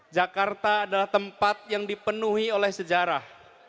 jakarta adalah tempat yang dipenuhi oleh sejarah